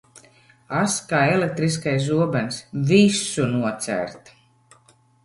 Ass kā elektriskais zobens, visu nocērt.